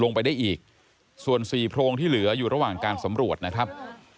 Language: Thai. ลงไปได้อีกส่วน๔โพรงที่เหลืออยู่ระหว่างการสำรวจนะครับ